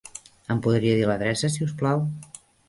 Em podria dir l'adreça, si us plau?